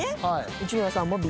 内村さんもＢ。